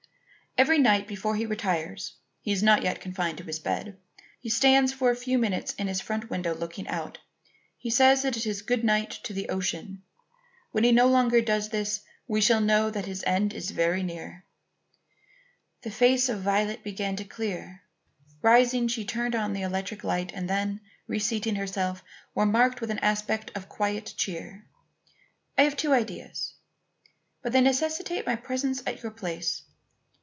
"Every night before he retires (he is not yet confined to his bed) he stands for a few minutes in his front window looking out. He says it's his good night to the ocean. When he no longer does this, we shall know that his end is very near." The face of Violet began to clear. Rising, she turned on the electric light, and then, reseating herself, remarked with an aspect of quiet cheer: "I have two ideas; but they necessitate my presence at your place.